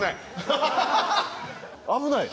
危ない？